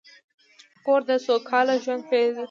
کور د سوکاله ژوند پیل دی.